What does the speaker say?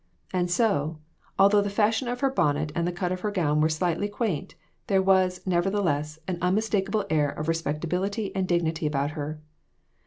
And so, although the fashion of her bonnet and the cut of her gown were slightly quaint, there was, nevertheless, an unmistakable air of respect ability and dignity about her.